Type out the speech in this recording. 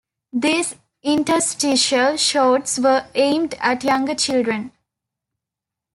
These interstitial shorts were aimed at younger children.